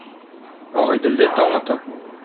Агыйделдә таң ата.